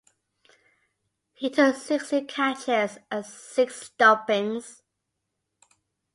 He took sixteen catches and six stumpings.